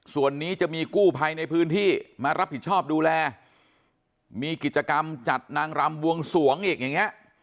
ส่วนนี้จะมีกู้ภัยในพื้นที่มารับผิดชอบดูแลมีกิจกรรมจัดนางรำบวงสวงอีกอย่างเงี้ย